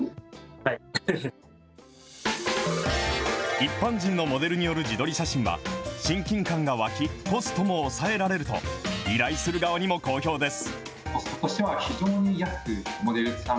一般人のモデルによる自撮り写真は、親近感がわき、コストも抑えられると、依頼する側にも好評です。